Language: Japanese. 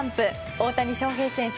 大谷翔平選手